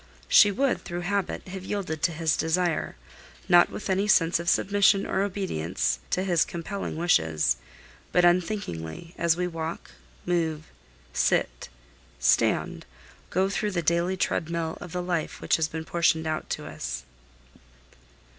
She would, through habit, have yielded to his desire; not with any sense of submission or obedience to his compelling wishes, but unthinkingly, as we walk, move, sit, stand, go through the daily treadmill of the life which has been portioned out to us.